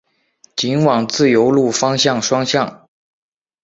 仅往自由路方向双向